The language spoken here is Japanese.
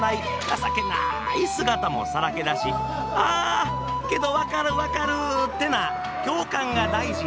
情けない姿もさらけ出し「あけど分かる分かる」ってな共感が大事やねん。